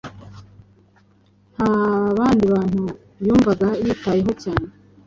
Nta bandi bantu yumvaga yitayeho cyane